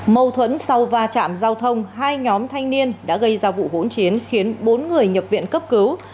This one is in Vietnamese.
mâu thuẫn sau va chạm giao thông hai nhóm thanh niên đã gây ra vụ hỗn chiến khiến bốn người nhập viện cấp cứu